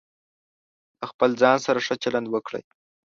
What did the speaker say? د خپل ځان سره ښه چلند وکړئ.